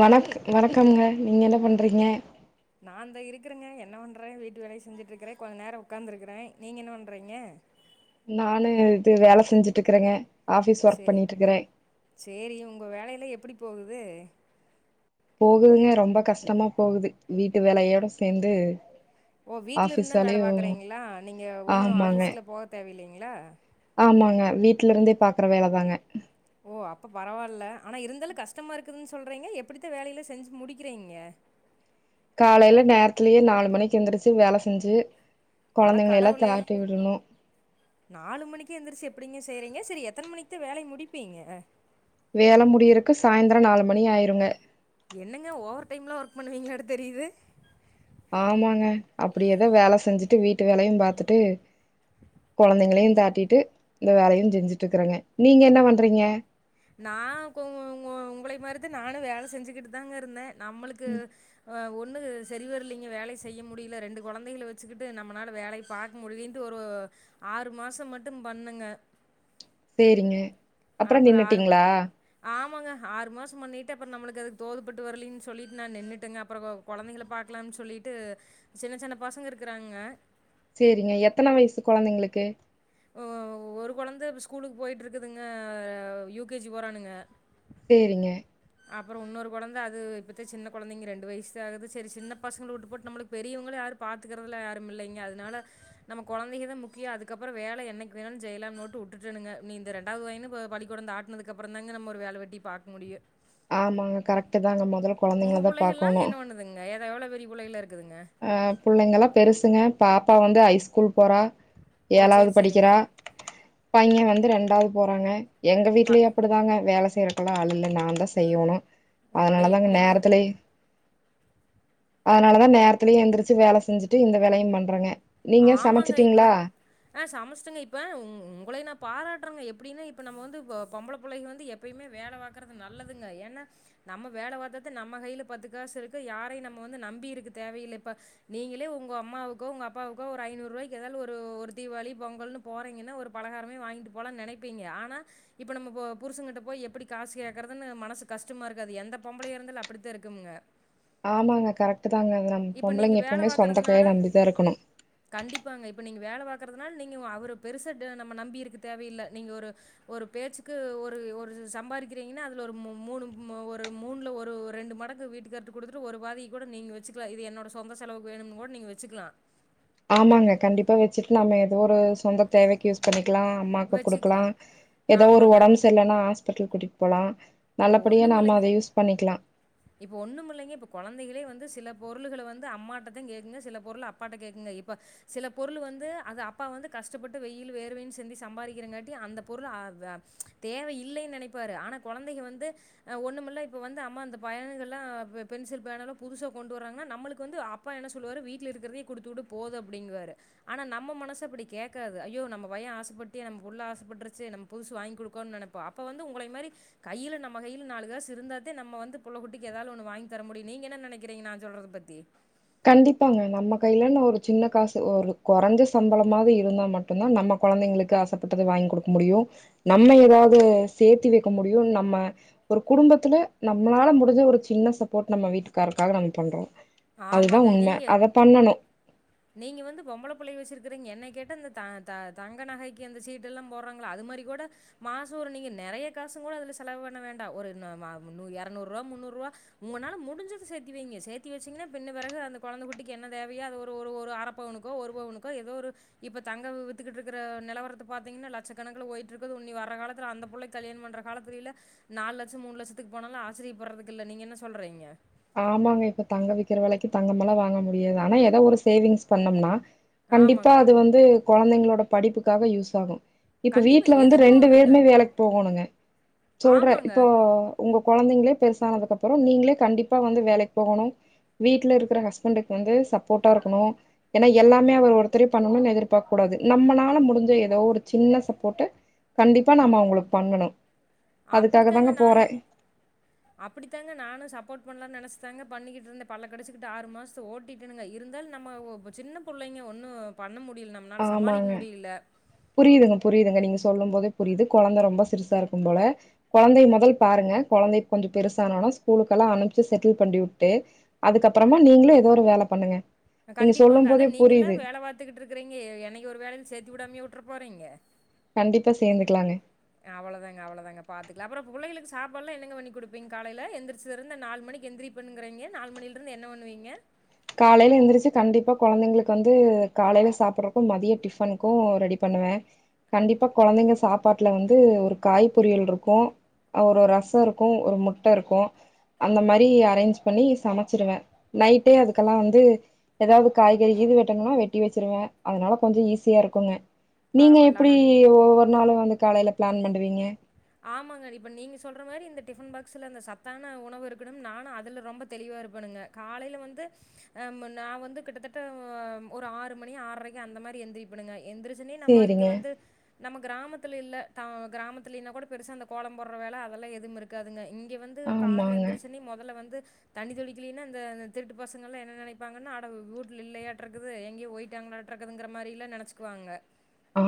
வணக்க வணக்கம்ங்க நீங்க என்ன பண்றீங்க நான்ந்த இருக்கறங்க என்ன பண்றே வீட்டு வேலைய செஞ்சுட்டு இருக்கறே கொஞ்ச நேரோ உக்காந்து இருக்கறே நீங்க என்ன பண்றீங்க நானு இது வேல செஞ்சுட்டு இருக்கறேங்க சேரி சேரி உங்க வேலையில எப்படி போவுது போகுதுங்க ரொம்ப கஷ்டமா போகுது வீட்டு வேலையோட சேந்து ஓ வீட்டுல ஆஃபீஸ் இருந்தா வேல வேலையு பாக்குறீங்களா நீங்க ஒன்னு ஆமாங்க ஆபீஸ்க்கல போக தேவலைங்களா வீட்டு்ல இருந்தே பாக்குற வேல தாங்க ஓ அப்ப பரவாயில்ல ஆனா இருந்தாலு கஷ்டமா இருக்குதுன்னு சொல்றீங்க எப்படித்தா வேலையில செஞ்சு முடிக்கிறீங்க காலையில நேரத்திலயே நாலு மணிக்கு எந்திரிச்சு வேல செஞ்சு அட கொழந்தைங்கள எல்லா கடவுளே தாட்டி விடணு நாலு மணிக்கு எந்திரிச்சு எப்டிங்க செய்றீங்க செரி எத்தன மணிக்குத்த வேலை முடிப்பீங்க வேல முடியறக்கு சாயந்திரம் நாலு மணி ஆயிருங்க என்னங்க ஓவர் டைம்லாம் ஒர்க் பண்ணுவீங்களாட தெரியுது ஆமாங்க அப்டியே ஏதோ வேல செஞ்சுட்டு வீட்டு வேலையும் பாாரத்துட்டு கொழந்தைங்களையும் தாட்டிட்டு இந்த வேலையும் செஞ்சுட்டு இருக்கறாங்க நீங்க என்ன பண்றீங்க நான் உ உங்களை மாரித்தா நானும் வேல செஞ்சுக்கிட்டு தாங்க இருந்தே நம்மளுக்கு ஒண்ணு சரிவர்லைங்க வேலை செய்ய முடில ரெண்டு கொழந்தைகள வச்சுக்கிட்டு நம்மளால வேலைய பார்க்க முடியதுன்ட்டு ஒரு ஆறு மாசம் மட்டும் பண்ணுங்க செரிங்க அப்பறோ ஆறு ஆமாங்க ஆறு மாசம் பண்ணிட்டு அப்பறோ நம்மளுக்கு அதுக்கு தோதுப்பட்டு வரலன்னனு சொல்லிட்டு நான் நின்னுட்டேங்க அப்பறோ கொழங்தைகல பாக்கலாம்னு சொல்லிட்டு சின்ன சின்ன பசங்க இருக்கிறாங்க செரிங்க எத்தன வயசு கொழந்தைங்களுக்கு ஒரு கொழந்தை ஸ்கூலுக்கு போயிட்டு இருக்குதுங்க யூகேஜி போறானுங்க செரிங்க அப்பறோ இன்னொரு கொழந்தை அது இப்போத்த சின்ன கொந்தைங்க ரெண்டு வயசுே ஆகுது சின்ன பசங்களை விட்டு போட்டு நம்பளுக்கு பெரியவங்கள யும் பார்த்துக்கறதல யாரும் இல்லைங்க அதுனால நம்ம கொழந்தங்க தான் முக்கியோ அதுக்கப்பறோ வேல என்னைக்கு வேணும்னு ஜெயிலாக நோட்டு விட்டுணுங்க நீ இந்த ரெண்டாவது வயனு பள்ளி குடம் ஆட்டுனதுக்கப்புறம்ந்தாங்க நம்ம ஒரு வேலை வெட்டி பார்க்க முடியும் ஆமாங்க கரெக்ட்டு தாங்க மொதல்ல உங்க குழந்தைங்கள தான் பிள்ளைகள்ல்லாம் பாக்கோணும். என்ன பண்ணுதுங்க ஏதோ எவ்வளவு பெரிய பிள்ளைகள்ல இருக்குதுங்க அஹ் புள்ளைங்கல்லாம் பெருசுங்க பாப்பா வந்து ஐ ஸ்கூல் போறா ஓ ஏழாவது சரி சரிங்க படிக்கிறா பையன் வந்து ரெண்டாவது போறாங்க எங்க பா வீட்லயே அப்டிதாங்க வேல இருக்குல ஆள் இல்ல நான் தான் செய்யணு அட அதனாலதாங்க எப்படிங்க நேரத்துலயே அதனாலதான் நேர த்திலயே எந்திரிச்சு வேல செஞ்சுட்டு இந்த வேலையும் பண்றேங்க நீங்க ஆமாங்க இப்ப சமைச்சிட்டீங்களா? ஆஹ் சமச்டேங்க இப்ப உ உங்களைய நா பாராட்றேங்க எப்டின்னா இப்ப நம்ப வந்து ப பொம்பள புள்ளைங்க வந்து எப்பயுமே வேலவாக்குறது நல்லதுங்க ஏன்னா நம்ம வேல வார்த்தாதான் நம்ம கைல பத்து காசு இருக்கு யாரையும் நம்ம வந்து நம்பி இருக்க தேவையில்ல இப்ப நீங்களே உங்க அம்மாவுக்கோ உங்க அப் அப்பாவுக்கோ ஒரு ஐநூருவாய்க்கு ஏதாது ஒரு தீபாவளி பொங்கல்ன்னு போறீங்கன்னா ஒரு பலகாரமே வாங்கிட்டு போலாம்னு நெனைப்பீங்க ஆனா இப்ப நம்ம புருசுங்கிட்ட போய் எப்டி காசு கேடக்குறதுன்னு மனசுக்கு கஷ்டமா இருக்காது எந்த பொம்பையா இருந்தாலும் அப்டித்தான் இருக்கும்ங்க ஆமாங்க கரெக்ட் தாங்க அது நம்ம இப்ப நீங்க பொம்பளைங்க வேல எப்பவுமே சொந்த பாக்குறதுனால கைய நம்பிதான் இருக்கணு கண்டிப்பாங்க. இப்ப நீங்க வேல வாக்குறதுனால நீங்க அவரு பெருசா நம்ப நம்பி இருக்கு தேவையில்லல நீங்க ஒரு ஒரு பேச்சுக்கு ஒரு ஒரு சம்பாதிக்கிறீங்கன்னா அதுல ஒரு மூனு ஒரு மூணுல ஒரு ரெண்டு மடங்கு வீட்டுகார்ட்ட குடுத்துட்டு ஒரு வாதி கூட நீங்க வச்சுக்கலாம் இது என்னோட சொந்த செலவுக்கு வேணுன்னு கூட நீங்க வச்சுக்கலா ஆமாங்க கண்டிப்பா வச்சிட்டு நாம ஏதோ ஒரு சொந்த தேவைக்கு யூஸ் பண்ணிக் க்கலா அம்மாவுக்கு குடுக்கலா வச்சுக்கலாம். ஏதோ ஒரு ஆமாங்க. ஒடம்பு செர்யில்லன்னா ஹாஸ் பிட்டல் கூட்டிட்டு போலா இப்ப நல்லபடியா ஒன்னும் நாம இல்லைங்க அத யூஸ் பண்ணிக்கலா இப்ப ஒன்னும் இல்லைங்க இப்ப கொழந்தைகளே வந்து சில பொருளுகள வந்து அம்மாட்டதான் கேக்குங்க சில பொருள அப்பாட்ட கேக்குங்க இப்ப சில பொருளு வந்து அது அப்பா வந்து கஷ்டப்பட்டு வெயில் வேர்வையும் சிந்தி சம்பாரிக்கிறகாட்டி அந்த பொருளு அது தேவையில்லனு நெனைப்பாரு ஆனா கொழந் ந்தைங்க வந்து ஒண்ணுமில்ல இப்ப வந்து அம்மா அந்த பயலுகல்லா பென்சில் பேனாலாம் புதுசா கொண்டு வறாங்கன்னா நம்மளுக்கு வந்து அப்பா என்ன சொல்லுவாரு வீட்ல இருக்கிறதையே குடுத்து விடு போது அப்டிங்கறாரு ஆனா நம்ம மனசு அப்படி கேட்காது ஐயோ நம்ம பையன் ஆசைப்பட்டு நம்மபுள்ள ஆசைப்பட்ருச்சு நம்ம புதுசு வாங்கிகொடுக்கோனு நெனப்போ அப்ப வந்து உங்களை மாரி கையில நம்ம கையில நாலு காசு இருந்தாதத்தே நம்ம வந்து புள்ள குட்டிக்கு ஏதாவது ஒண்ணு வாங்கி தர முடியு நீங்க என்ன நெனைக்கிறீங்க நான் சொல்றத பத்தி கண்டிப்பாங்க நம்ம கையிலனு ஒரு சின்ன காசு ஒரு கொறஞ்ச சம்பளமாவது இருந்தா மட்டுந்தான் நம்ம கொழந்தைங்களுக்கு ஆசைப்பட்டது வாங்கி குடுக்க முடியும் நம்ம ஏதாவது சேர்த்தி வெக்க முடியும் நம்ம ஒரு குடும்பத்துல நம்மளால முடிஞ்ச ஒரு சின்ன சப்போர்ட் நம்ம வீட்டுக்காருக்காக நம்ம பண்றோ அதுதா ஆமாங்க உண்ம நீங்க அத பண்ணணு நீங்க வந்து பொம்பள புள்ளய வச்சுருக் [unintelligible] என்னைய கேட்ட இந்த த த தங்க நகைக்கு அந்த சீட்டெல்லா போறாங்கள அது மாரி கூட மாச ஒரு நீங்க நெறைய காசுங்கூட அதுல செலவுவண்ண வேண்டா ஒரு ந [unintelligible] மா எறநூறுவா முன்னூறுவா உங்கனால முடிஞ்சத சேத்தி வைங்க சேத்தி வச்சீங்கனா பின்ன பெறகு அந்த கொழந்த குட்டிக்கு என்ன தேவையோ அது ஒரு ஒரு ஒரு அர பவுனுக்கோ ஒரு பவுனுக்கோ எதோ ஒரு இப்ப தங்க வித்துக்கிட்ருக்கிற நெலவரத்த பாத்தீங்கனா லட்சக்கணக்குல போயிட்ருக்குது இனி வர காலத்துல அந்த புள்ளைக்கு கல்யாண பண்ற காலத்திலிலா நாலு லட்ச மூணு லட்சத்துக்கு போனாலா ஆச்சிரியப்பட்றதுக்கு இல்ல நீங்க என்ன சொல்றீங்க ஆமாங்க இப்ப தங்க விக்கிற வெலைக்கு தங்கமெல்லா வாங்க முடியாது ஆனா எதோ ஒரு சேவிங்ஸ் பண்ணம்னா கண்டிப்பா ஆமாங்க அது வந்து கொழந்தைங்க ங்களோட படிப்புக்காக யூஸ் ஆகு இப்ப கண்டிப்பா வீட்டுல வந்து எதுக்கோ ரெண்டு ஒண்ணுக்குங்க வேருமே வேலைக்கு போகோணுங்க சொல்ற ஆமாங்க இப்போ உங்கொ கொழந்தைங்களே பெருசானதுக்குப்பறோ நீங்களே கண்டிப் அப்பா வந்து வேலைக்கு போகோணு வீட்டுல இருக்கிற ஹஸ்பண்டக்கு வந்து சப்போர்ட்டாருக்கணு ஏன்னா எல்லாமே அவரு ஒருத்தர பண்ணணுன்னு எதிர்பாக்க கூடாது நம்மளால முடிஞ்ச எதோ ஒரு சின்ன சப்போர்ட்ட கண்டிப்பா நாம அவங்களுக்கு பண்ணணு அப்படித்தாங்க நானு அப்படித்தாங்க நானு சப்போர்ட் பண்லான்னு நெனைச்சு ங்க பண்ணிட்டுருந்தே பல்ல கடுச்சிக்கிட்டு ஆறு மாசத்த ஓட்டிட்டேனுங்க இருந்தாலு நம்ம ஒ ஒ சின்ன புள்ளைங்க ஒன்னு பண்ண முடி முடியில நம்மனால சமாளிக்க முடியில புரியிதுங்க புரியிதுங்க நீங்க சொல்லும்போதே புரியிது கொழந்த ரொம்ப சிருசாருக்கும்போல கொழந்தைய மொதல் பாருங்க கொழந்தை கொஞ்சோ பெருசானனொன்ன ஸ்கூலுக்கல்லா அனுப்ச்சி செட்டில் பண்டிவுட்டு அதுக்கப்பறமா நீங்களு ஏதோ ஒரு வேல பண்ணுங்க நீங்க கண்டிப்பாங்க சொல்லும் அதா போதே நீங்கெல்லா புரியுது வேல பாத்துக்கிட்ருக்குறீங்க என்னைக்கு ஒரு வேலைல சேத்து உடாமையா உட்றப்போறீங்க கண்டிப்பா சேந்துக்கலாங்க அவ்ளதாங்க அவ்ளதாங்க பாத்துக்கலா அப்றோ புள்ளைகளுக்கு சாப்பாட்லா என்னங்க பண்ணி குடுப்பீங்க காலைல எந்திரிச்சதிருந்த நாலு மணிக்கு எந்திரிப்பேன்னுங்குறீங்க நாலு மணிலருந்து என்ன வண்ணுவீங்க காலைல எந்திரிச்சு கண்டிப்பா கொழந்தைங்களுக்கு வந்து காலைல சாப்புட்றப்ப மதிய டிஃபனுக்கு ரெடி பண்ணுவே கண்டிப்பா கொழந்தைங்க சாப்பாட்டுல வந்து ஒரு காய் பொரியல் இருக்கு ஆ ஒரு ரசருக்கு ஒரு முட்டருக்கு அந்த மாரி அரேஞ்ச் பண்ணி சமைச்சிடுவே நைட்டே அதுக் க்கலாம் வந்து எதாவது காய்கறிக்கீது வெட்டணுன்னா வெட்டி வச்சிருவே அதனால கொஞ்சோ ஈஸியாருக்குங்க நீங்க பரவால்ல ஆனா. எப்டி [unintelligible] [unintelligible] வந்து காலைல ப்ளான் பண்டுவீங்க ஆமாங்க இப்ப நீங்க சொல்ற மாரி இந்த டிஃபன் பாக்ஸுல அந்த சத்தான ஒணவு இருக்கணும்னு நானு அதுல ரொம்ப தெளிவா இருப்பணுங்க காலைல வந்து ஆ நா வந்து கிட்டத்தட்ட ஒரு ஆறு மணி ஆறரைக்கு அந்த மாதிரி எந்திரிப்பணுங்க எந்திருச்சொன்னே நம்ம இங்க சேரிங்க வந்து நம்ம கிராமத்து [unintelligible] இல்ல த கிராமத்திலேன்னக் கூட பெருசா அந்த கோலம் போட்ற வேல அதெல்லா எதுவு இருக்குதுங்க [unintelligible] இங்க வந்து காலைல ஆமாங்க எந்திரிச்சொன்னே மொதல்ல வந்து தண்ணி தொளிக்கலின்னா இந்த அந்த திருட்டு பசங்கெல்லா என்ன நினைப்பாங்கன்னா அட ஊட்டுல இல்லையாட்டு இருக்குது எங்கயோ போயிட்டாங்களாட்டு இருக்குதுங்கிற மாரியெல்லா நெனச்சுக்குவாங்க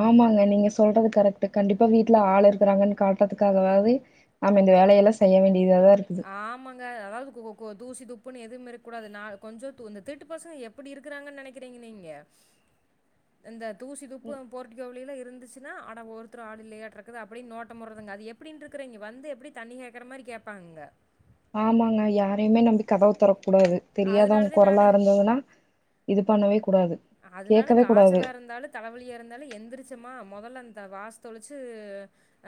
ஆமாங்க நீங்க சொல்றது கரெக்ட் கண்டிப்பா வீட்டுல ஆள் இருக்கிறாங்கன்னு காட்டுறதுக்காகவாவது நாம இந்த வேலயெல்லா செய்ய வேண்டிய ஆமாங்க அதாவது கொ கொ தூசி துப்புன்னு எதுவுமே இருக்க கூடாது கொஞ்ச இந்த திருட்டு பசங்க எப்பிடி இருக்கிறாங்கன்னு நெனக்கிறீங்க நீங்க இந்த தூசி துப்பு போர்டிகோவில எல்லா இருந்துச்சுன்னா அட ஒருத்தர் ஆள் இல்லையாட்டு இருக்குது அப்படின்டு நோட்டமுடுரதுங்க அது எப்டின்னு இருக்குறீங்க வந்து எப்பிடி தண்ணி கேட்கற மாதிரி கேட்பாங்க ஆமாங்க யாரையுமே நம்பி கதவத் தொறக் கூடாது அதனால தெரியாதவங்க தான் குரலா நானு இருந்துதுன்னா இது பண்ணவே கூ அதனால காய்ச்சலாருந்தாலு தலைவலியாருந்தாலும் எந்திரிச்சமா மொதல்ல அந்த வாச தொளச்சு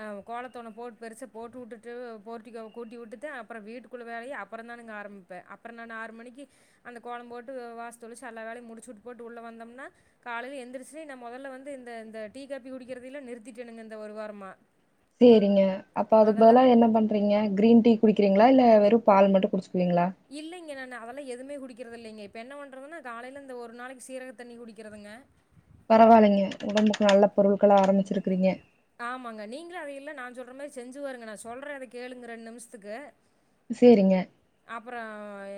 ஆ கோலத்த ஒன்னு போட் பெருசா போட்டுவுட்டுட்டு போர்ட்டிகோவ கூட்டிவுட்டுதா அப்பற வீட்டுக்குள்ள வேலய அப்பறந்தானுங்க ஆரம்பிப்பே அப்பற நானு ஆறு மணிக்கு அந்த கோலம் போட்டு வாச தொளிச்சு எல்லா வேலயு முடிச்சுவுட்டு போட்டு உள்ள வந்தோம்னா காலையில எந்திரிச்சி நா மொதல்ல வந்து இந்த இந்த டீ காபி குடிக்கறதெல்லா நிறுத்திட்டேனுங்க இந்த ஒரு வாரமா சேரிங்க அப்ப அதுக் அதெல்லாம் பதிலா என்ன பண்றீங்க கிரீன் டீ குடிக்கிறீங்களா இல்ல வெறு பால் மட்டு குடிச்சி இல்லைங்க நான் அதெல்லா எதுமே குடிக்க இங்க இப்ப என்ன பண்றதுன்னா காலையில இந்த ஒரு நாளைக்கு சீரக தண்ணி குடிக்கிறதுங்க பரவாயில்லைங்க உடம்புக்கு நல்ல பொருட்கள ஆரம்பிச்சிருக்குறீங்க ஆமாங்க நீங்களும் அதை எல்லா நான் சொல்ற மாரி செஞ்சு பாருங்க நான் சொல்றேன் அதை கேளுங்க ரெண்டு நிமிஷத்துக்கு செரிங்க அப்புற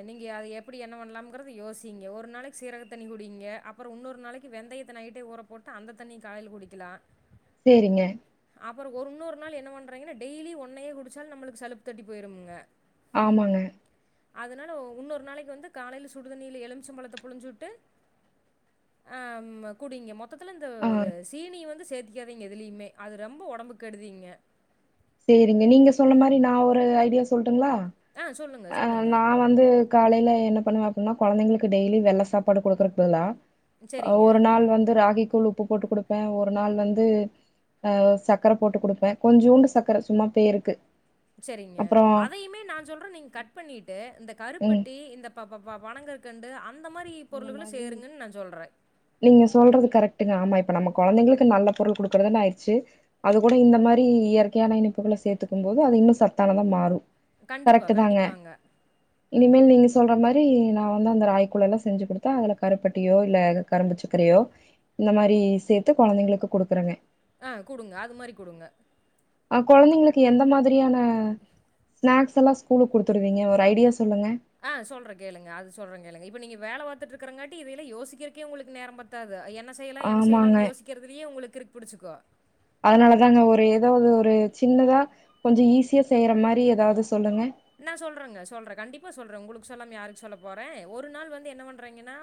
நீங்க அது எப்படி என்ன பண்ணலாம்ங்கறத யோசிங்க ஒரு நாளைக்கு சீரக தண்ணி குடிங்க அப்புறம் இன்னொரு நாளைக்கு வெந்தயத்தை நைட்டே ஊற போட்டு அந்த தண்ணி காலையில குடிக்கலா செரிங்க ஒரு இன்னொரு நாள் என்ன பண்றீங்கன்ன டெய்லி ஒன்னே குடிச்சாலு நம்மளுக்கு சலிப்புத் தட்டி போயிருங்க ஆமாங்க அதனால இன்னொரு நாளைக்கு வந்து காலையில சுடுதண்ணில எலுமிச்சம்பழத்தை புழிஞ்சு விட்டு குடிங்க மொத்த மொத்தத்துல இந்த ஆ சீனி வந்து சேத்திக்காதீங்க எதுலயுமே அது ரொம்ப உடம்பு கெடுதிங்க சரிங்க நீங்க சொன்ன மாரி நான் ஒரு ஐடியா சொல்ல டடுங்களா ஆ சொல்லுங்க, சொல்லுங்க. நா வந்து காலைல பண்ணுவ அப்டினா குழந்தைங்களுக்கு டெய்லி என்ன சாப்பாடு குடுக்குறதுன்னா சரிங்க. ஒரு நாள் வந்து ராகி தூள் உப்பு போட்டு குடுப்பேன் ஒரு நாள் வந்து் சக்கர போட்டு குடுப்பேன் கொஞ்சோண்டு ச இருக்கற சும்மா பேருக்கு செரிங்க அப்புறோ அதையுமே நான் சொல்றேன் நீங்க கட் பண்ணிட்டு இந்த கருப்பட்டி இந்த பப் பனங்கல்கண்டு அந்த மாரி அந்த பொருள்கள மாதிரி சேருங்கன்னு நான் சொல்றேன். நீங்க சொல்றது கரெக்ட்டுங்க ஆமா இப் இப்ப நம்ம குழந்தைங்களுக்கு நல்ல பொருள் குடுக்குறதுனு ஆயிடுச்சு அது கூட இந்த மாதிரி இயற்கையான இனிப்புகளை சேத்துக்கும் போது அது இன்னும் சத்தானதா மாறு கண்டிப்பா கரெக்ட்டு தாங்க கண்டிப்பாங்க இனிமேல் நீங்க சொல்ற மாதிரி நா வந்து அந்த ராய்கூலலா செஞ்சு கொடுத்தா அதுல கருப்பட்டியோ இல்ல கரும்பு சக்கரையோ இந்த மாதிரி சேர்த்து குழந்தைங்களுக்கு குடுக்குறங்க அ குடுங்க அது மாரி குடுங்க ் குழந்தைங்களுக்கு எந்த மாதிரியான ஸ்நாக்ஸ் எல்லா ஸ்கூலுக்கு குடுத்துடுவீங்க ஒரு ஐடியாஸ் ஆ சொல்ற கேளுங்க அது சொல்றே கேளுங்க இப்போ நீங்க வேல பாத்துட்டு இருக்கரங்காட்டி இதையலா யோசிக்கிறக்கே உங்களுக்கு நேரம் பத்தாது என் செய்யலா என்ன ஆமாங்க செய்யலாம்னு யோசிக்கிறதுதையே உங்களுக்கு கிருக் பிடிச்சுக்கு அதனால தாங்க ஒரு ஏதாவது ஒரு சின்னதா கொஞ்ச ஈஸியா செய்யற மாரி ஏதாவது சொல்லுங்க நா சொல்றேங்க சொல்றே கண்டிப்பா சொல்றே உங்களுக்கு சொல்லாம யாருக்கு சொல்ல போறே ஒரு நாள் வந்து என்ன பண்றீங்கன்னா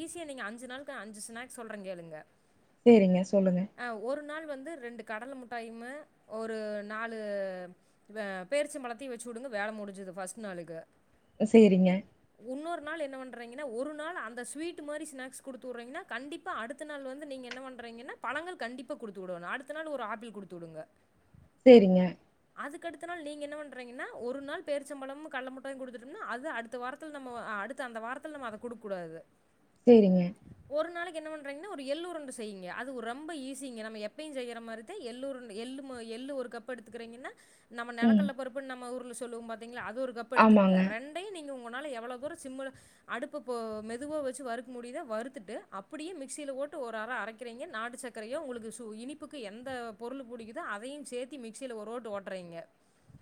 ஈஸியா நீங்க அஞ்சு நாளுக்கு அஞ்சு ஸ்னாக்ஸ் சொல்றே கேளுங்க சேரிங்க சொல்லுங்க ஆ ஒரு நாள் வந்து ரெண்டு கடல முட்டாயுமே ஒரு நாலு பே பேர்ச்சம்பலத்தையும் வச்சு விடுங்க வேலை முடிஞ்சுது ஃபர்ஸ்ட் நாளுக்கு சேரிங்க உன்னொரு நாள் என்ன பண் ரைங்கனா ஒரு நாள் அந்த ஸ்வீட் மாரி ஸ்வீட்ஸ் குடுத்துறீங்கா கண்டிப்பா அடுத்த நாள் வந்து நீங்க என்ன பண்றீங்கனா பழங்கள் கண்டிப்பா குடுத்து வுடோனு அடுத்த நாள் ஒரு ஆப்பிள் குடுத்து வுடுங்க சேரிங்க அக்கடுத்த நாள் நீங்க என்ன பண்றீங்கன்னா ஒரு நாள் பேரிச்சம்பளமும் கள்ள முட்டாயும் குடுத்துட்டோம்னா அது அடுத்த வாரத்துல நம்ம அடுத்த அந்த வாரத்துல நம்ம அதகுடுக்க கூடாது சேரிங்க என்ன பண்றங்கன்னா ஒரு எல்லுரண்டை செய்ங்க அது து ரொம்ப ஈஸிங்க நம்ம எப்பையும் செய்யற மாரி தா எள் உருண்டை எள்ளு மா எள்ளு ஒரு கப் எடுத்துக்கறீங்கன்னா நம்ம ம். நிலக்கல்லபருப்பு நம்ம ஒர் சொல்லுவ பாத்தீங அது ஒரு கப்பு எடுத்துக்கங்க ஆமாங்க. ரெண்டையும் நீங்க உங் உங்கனால எவ்வளவு தூர சிம்ல அடுப்பு மெதுவ வச்சு வறுக்க முடியறுத்துட்டு அப்படியே மிக்சியில போட்டு ஒரு அர அரைக்கிறீங்க நாட்டு சக்கரையும் உங்களுக்கு சு இனிப்புக்கு எந்த பொருளு படிக்குதோ அதையும் சேர்த்தி மிக்சியில ஒரு ஓட்டு ஓட்டறீங்க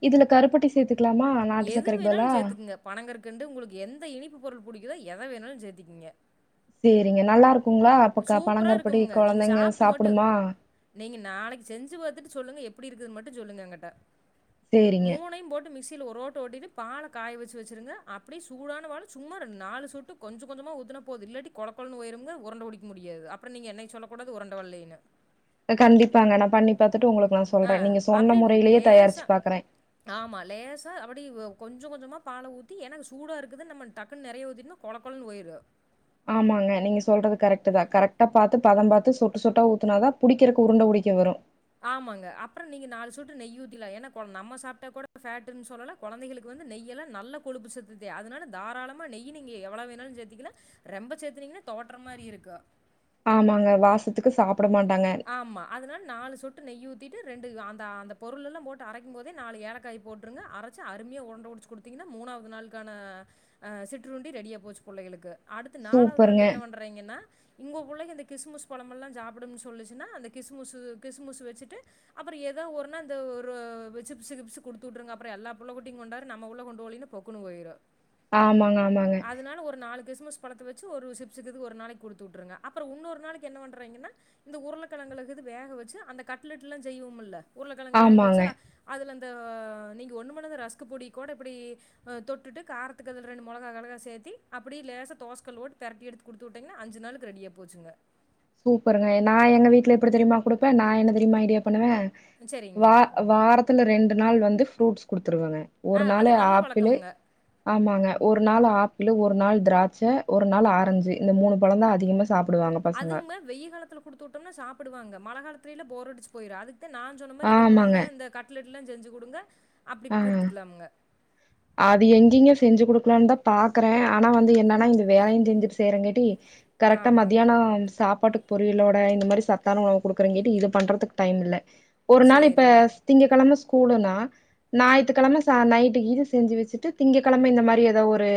இதுல கருப்பட்டி சேர்த்துக்கலாமா நாட்டு எது சர்க்கரைக்கு பதுலா வேணாலும் சேத்துக்குங்க. பனங்கற்கண்டு உங்களுக்கு எந்த இனிப்பு பொருள் புடிக்குதோ எத வேணாலு சேத்திக்கீங்க சரிங்க நல்லா இருக்குங்களா அப்பக் பணங்கற்பட்டி இருக்குமுங்க. கொழந் நீங்க சாப்ட்டு மட்டு நீங்க நாளைக்கு செஞ்சு பா பாத்துட்டு சொல்லுங்க எப்படி இருக்குது மட்டு சொல்லுங்க எங்கிட்ட சேரிங்க. மூனைையும் போட்டு மிக்சி மிக்சில ஒரு ஓட்டு ஓட்டிட்டு பால காய வச்ச வச்சுருங்க அப்படியே சூடான பாலு சும்மா நாலு சொட்டு கொஞ்ச கொஞ்சமா ஊத்தூனா போதும் இல்லாட்டி கொழ கொழனு போயிம்ங்க அப்பற உருண்ட புடிக்க முடியாதுங்க ஆப்பற நீங்க என்னை சொல்லகூ து உரண்டவள்ளைனு கண்டிபாங்க நான் பண்ணிபாத் அஹ் அப்டி லேசா தயாரிச்சு பாக்குறேன். ஆமா லேசா அப்டி கொஞ்சோ கொஞ்சமா பால ஊத்தி ஏன்னா சூடா இருக்குதுன் நம்ம டக்குன்னு நறய ஊத்திடம்னா கொழ கொழன்னு போயிரு ஆமாங்க நீங்க சொல்றதுக் கரக்ட் தா கரெக்டா பாத் பதம் பாத்து சொட்டு சொட்டா ஊத்துனாதா புடிக்கறக்கு உருண்ட புடிக்க வரும் ஆமாங்க அப்றோ நீங்க நாலு சொட்டு நெய் ஊத்திலா ஏன்னா கொ நம்ம சாப்ட்டா கொட ஃபேட்ன்னு சொல்லல கொலந்தைகளுக்கு வந்து நெய்யலா நல்ல கொழுப்பு சத்துதே அதனால தாராளமா நெய் நீங்க எவ்வள வேணாலு சேத்திக்கலா ரெம்ப சேத்துனீங்கன்னா தோவற்ற மாரி இருக்கோ ஆமாங்க வாசத்துக்கு சாப் ஆமா அதுனால நாலு சொட்டு நெய்யூத் ஊத்திட்டு ரெண்டு அந்த அந்த பொருள்லெல்லா போட்டு அரைக்கும் போதே நாலு ஏலக்காய் போட்டுடுங்க அரச்சி அருமயா உண்ட உடிச்சு குடுத்திங்கன்னா மூணாவது நாள்க்கான ஆஹ் சிற்றுருண்டி ரெடியா போச்சு புள்ளைகளுக்கு அடுத்து நாலாவது சூப்பருங்க. நாள் என்ன பண்றயங்கன்னா உங்கோ புள்ளைங்க இந்த கிஸ்மிஸ் பல மெல்லாம் சாப்புடு சொல்லுச்சுன்னா அந்த கிஸ்முஸ்ஸு கிஸ்முஸ்ஸு வச்சிட்டு அப்பறோ ஏதோ ஒர் நாள் இந்த [unintelligible] சிப்ஸ் கிப்ஸ் குடுத்துட்ருங்க அப்பறோ எல்லா புள்ளகுட்டியும் கொண்டாரு நம்ப புள்ள கொண்டு போலேன்னு பொக்குனு போய்ரு ஆமாங்க ஆமாங்க பலத்த வச்சு ஒரு சிப்ஸ்கிப் ஒரு நாளைக் குடுத்து வுட்டுருங்க அப்பறோ உன்னொரு நாளைக்கு என்ன பண்றீங்கன்னா இந்த உருளக்கழங்களங்து வேக வச்சு அந்த கட்லட்லா செய்வோமில்ல உருளக்கழங்கு வேக ஆமாங்க. வச்சா அதுலந் அ நீங்க ஒன்னு பண்ணாத ரஸ்க் பொடி கொட இப்டி தொட்டுட்டு காரத்துக்கு அதில் ரெண்டு மொளகா அளக சேத்தி அப்டியே லேசா தோசக்கல் போட்டு பெரட்டி எடுத்து குடுத்து வுட்டீங்கன்னா அஞ்சு நாளுக்கு ரெடியா போச்சுங்க சூப்பருங்க நான் எங்க வீட்ல எப்டி தெரிமா குடுப்ப நா என்ன தெரிமா ஐடியா பண்ணுவ சரிங்க வா வாரத் துல ரெண்டு நாள் வந்து ஃப்ரூட்ஸ் கொடுத் த்துருவங்க ஆ ஒரு நாள் அது நல்ல ஆப்பிளு பழக்கம்ங்க ஆமாங்க ஒரு நாள் ஆப்பிளு ஒரு நாள் திராட்ச ஒரு நாள் ஆரஞ்சு இந்த மூணு பழம் தான் அதிகமா சாப்பிடுவாங்க பசங்க அதுங்க [unintelligible] காலத்துல குடுத்து வுட்டம்னா சாப்புடுவாங்க மல காலத்தில போர் அடிச்சு போய்ரு அதுக் கு நா சொன்ன மாரி இந்த ஆமாங்க உரண்ட இந்த கட்ல எல்லா செஞ்சு குடுங்க அப்டி ஆ குடுத்துக்லாமுங்க அது எங்கிங்க செஞ்சு குடுக்கலாம் தா பாக்கற ஆனா வந்து என்னன்னா இந்த வேலயும் செஞ்சுட்டு செய்யறங்காட்டி கரக்டா ஆமாங்க. மதியானோ சாப்பாட்டு பொரியளோட இந்த மாரி சத்தான உணவ் குடுக்குறங்கேட்டி இது பண்றதுக்கு டைம் இல்ல ஒரு நாள் இப்ப சரிங்க. திங்க கெளம கூலனா நாயித்துக்கெளம ச நைட்டு இது செஞ்சு வச்சுட்டு திங்க களம இந்த மாரி ஏதோ ஒரு